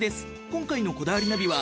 今回の『こだわりナビ』は。